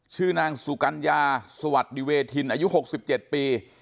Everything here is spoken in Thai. ชื่อนางสุกัญญาสวัสดิเวทินอายุหกสิบเจ็ดปี